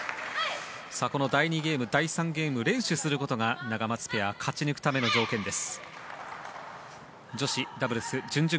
この第２ゲーム、第３ゲーム連取することが、ナガマツペア勝ち抜くための条件です。